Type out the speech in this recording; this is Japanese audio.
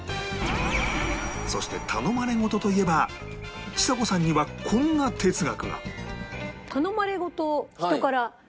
そして頼まれ事といえばちさ子さんにはこんな哲学が